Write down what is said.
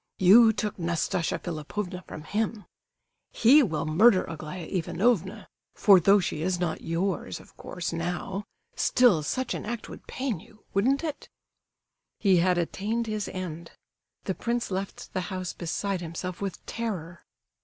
You took Nastasia Philipovna from him. He will murder Aglaya Ivanovna; for though she is not yours, of course, now, still such an act would pain you,—wouldn't it?" He had attained his end. The prince left the house beside himself with terror.